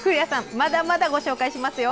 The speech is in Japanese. まだまだご紹介しますよ。